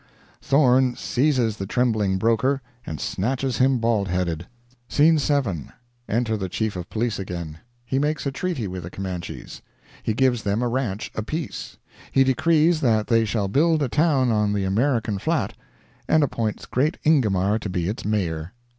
Thorne seizes the trembling broker, and snatches him bald headed! Scene 7.—Enter the Chief of Police again. He makes a treaty with the Comanches. He gives them a ranch apiece. He decrees that they shall build a town on the American Flat, and appoints great Ingomar to be its Mayor!